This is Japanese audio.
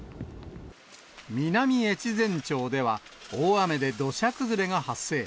南越前町では、大雨で土砂崩れが発生。